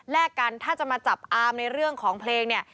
กันถ้าจะมาจับอามในเรื่องของเพลงเนี่ย